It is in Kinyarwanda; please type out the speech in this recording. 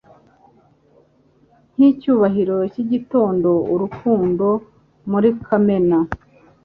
Nkicyubahiro cyigitondo urukundo muri kamena